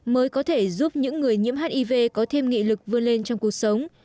mới có thể giúp những người nhiễm hiv có thêm nghị lực vươn lên trong cuộc sống